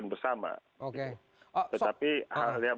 dan permasalah klien g salah satu prik